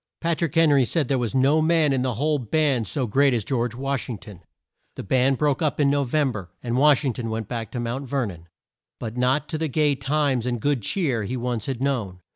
Pat rick Hen ry said there was no man in the whole band so great as George Wash ing ton. The band broke up in No vem ber, and Wash ing ton went back to Mount Ver non. But not to the gay times and good cheer he once had known.